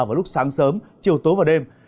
vào lúc sáng sớm chiều tối và đêm